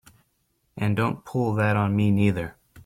And don't pull that on me neither!